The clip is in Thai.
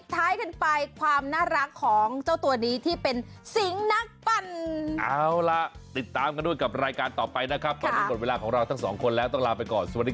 เดี๋ยวกลายเป็นว่าไม่เดินด้วยขาแล้วเนี่ย